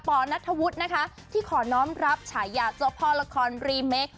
นัทธวุฒินะคะที่ขอน้องรับฉายาเจ้าพ่อละครรีเมค